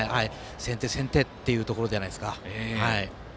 先手先手というところじゃないですか。